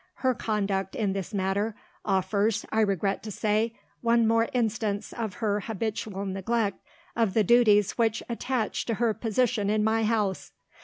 Her conduct, in this matter, offers, I regret to say, one more instance of her habitual neglect of the duties which attach to her position in my house.